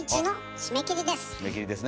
締め切りですね。